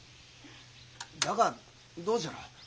だがどうじゃろう？